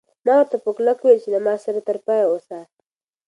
ما ورته په کلکه وویل چې له ما سره تر پایه اوسه.